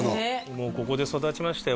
もうここで育ちましたよ